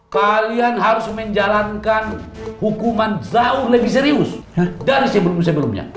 kalian harus menjalankan hukuman jauh lebih serius dari sebelum sebelumnya